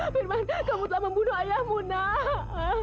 bagaimana kamu telah membunuh ayahmu nak